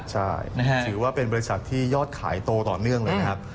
ใช่ถือว่าเป็นบริษัทที่ยอดขายโตต่อเนื่องเลยนะครับ